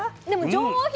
上品！